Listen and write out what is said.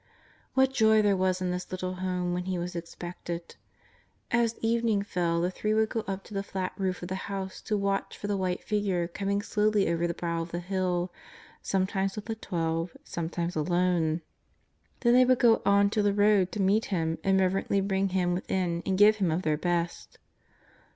What joy there was in this little home when He was expected ! As evening fell the three would go up to the flat roof of the house to watch for the white Figure coming slowly over the brow of the hill, sometimes with the Twelve, sometimes alone. Then they would go out on to the road to meet Him and reverently bring Him within and give Him of their best.